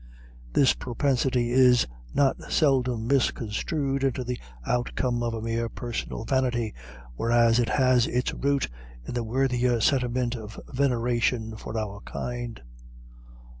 This propensity is not seldom misconstrued into the outcome of a mere personal vanity, whereas it has its root in the worthier sentiment of veneration for our Kind.